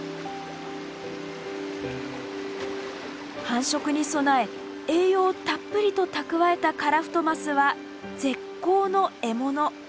繁殖に備え栄養をたっぷりと蓄えたカラフトマスは絶好の獲物。